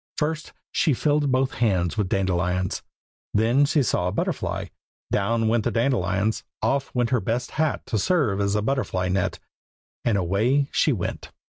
First she filled both hands with dandelions. Then she saw a butterfly; down went the dandelions; off went her best hat to serve as a butterfly net; and away she went.